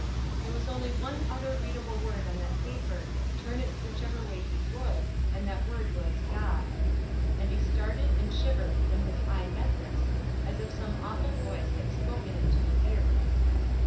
There was only one other readable word on that paper, turn it whichever way he would, and that word was "God;" and he started and shivered when his eye met this, as if some awful voice had spoken it to his ear.